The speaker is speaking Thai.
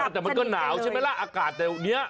แต่มันก็หนาวใช่ไหมล่ะอากาศแต่วันนี้